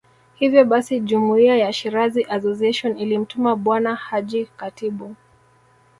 Hivyo basi Jumuiya ya Shirazi Association ilimtuma Bwana Haji Khatibu